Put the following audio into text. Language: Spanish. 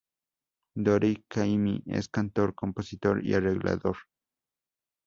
Dori Caymmi es cantor, compositor y arreglador.